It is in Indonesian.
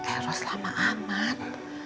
eh ros lama amat